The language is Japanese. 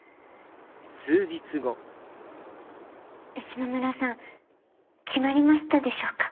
島村さん決まりましたでしょうか？